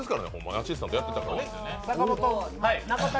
アシスタントやってましたからね。